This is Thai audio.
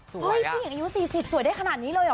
ผู้หญิงอายุ๔๐สวยได้ขนาดนี้เลยเหรอ